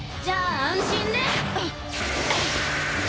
じゃあ安心ね！